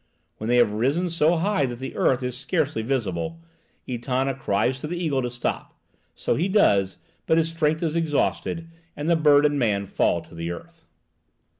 When they have risen so high that the earth is scarcely visible, Etana cries to the eagle to stop; so he does, but his strength is exhausted, and bird and man fall to the earth.